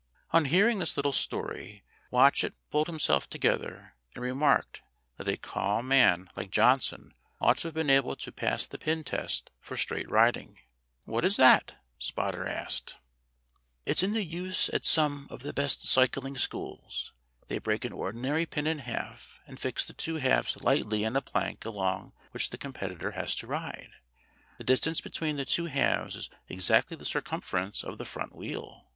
On hearing this little story Watchet pulled himself together and remarked that a calm man like Johnson ought to have been able to pass the pin test for straight riding. "What is that?" Spotter asked. FAILURE OF PROFESSOR PALBECK 63 "It's in use at some of the best cycling schools. They break an ordinary pin in half and fix the two halves lightly in a plank along which the competitor has to ride. The distance between the two halves is exactly the circumference of the front wheel.